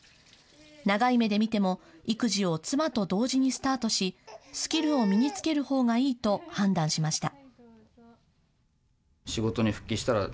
長い目で見ても育児を妻と同時にスタートしスキルを身につけるほうがいいと判断しました。